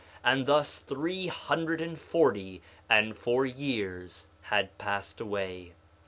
And thus three hundred and forty and four years had passed away.